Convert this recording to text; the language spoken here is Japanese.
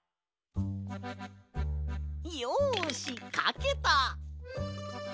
よしかけた！